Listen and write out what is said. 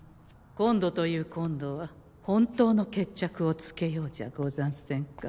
今度という今度は本当の決着をつけようじゃござんせんか。